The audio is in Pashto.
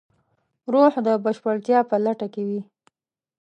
روح د بشپړتیا په لټه کې وي.